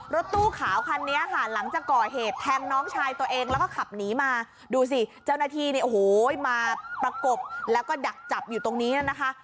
รถตู้ขาวคันนี้ค่ะหลังจากก่อเหตุแทงน้องชายตัวเองแล้วก็ขับหนีมาดูสิเจ้าหน้าที่เนี่ยโอ้โหมาประกบแล้วก็ดักจับอยู่ตรงนี้นะคะ